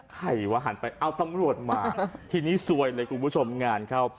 ใครวะหันไปเอาตำรวจมาทีนี้ซวยเลยคุณผู้ชมงานเข้า